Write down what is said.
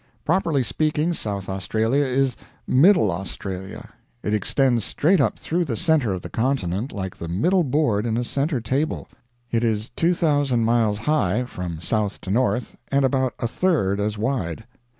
Properly speaking, South Australia is middle Australia. It extends straight up through the center of the continent like the middle board in a center table. It is 2,000 miles high, from south to north, and about a third as wide.